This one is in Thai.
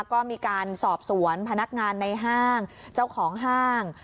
ก็มีการสอบสวนพนักงานในห้างเจ้าของห้าง